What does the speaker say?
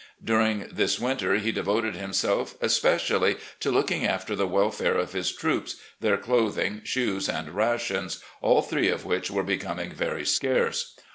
During this winter he devoted himself especially to looking after the welfare of his troops, their clothing, shoes, and rations, all three of which were becoming very scarce.